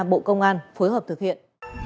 bộ công an phối hợp thực hiện